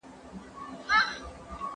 آیا ماښام تر ماسپښین تیاره وي؟